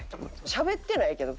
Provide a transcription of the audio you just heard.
しゃべってないけど。